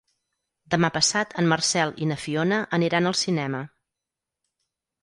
Demà passat en Marcel i na Fiona aniran al cinema.